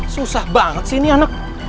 susah banget sih ini anak